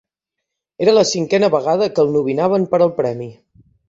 Era la cinquena vegada que el nominaven per al premi.